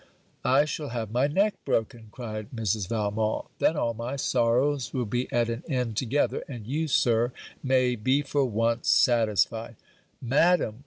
'I shall have my neck broken,' cried Mrs. Valmont, 'then all my sorrows will be at an end together; and you, sir, may be for once satisfied.' 'Madam!